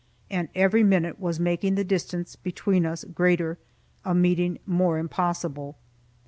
And every minute was making the distance between us greater, a meeting more impossible.